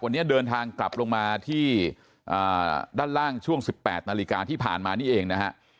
วันนี้เดินทางกลับลงมาที่ด้านล่างช่วง๑๘นาฬิกาที่ผ่านมานี่เองนะฮะ